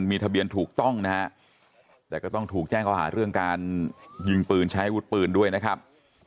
มีทะเบียนถูกต้องนะฮะแต่ก็ต้องถูกแจ้งเขาหาเรื่องการยิงปืนใช้อาวุธปืนด้วยนะครับ